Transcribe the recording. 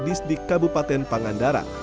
di sd kabupaten pangandaran